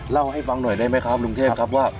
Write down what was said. เล่าให้ฟังหน่อยได้ไหมครับลุงเทพครับว่า